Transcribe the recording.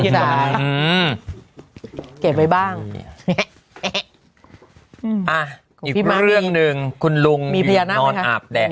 อืมเก็บไว้บ้างอ่ะอีกเรื่องหนึ่งคุณลุงมีพญานาคมั้ยคะนอนอับ